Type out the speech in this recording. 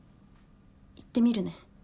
行ってみるね。